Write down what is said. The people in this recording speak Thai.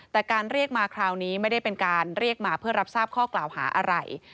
แต่การเรียกมาคราวนี้ไม่ได้เป็นการเรียกมาเพื่อรับทราบข้อกล่าวหาอะไร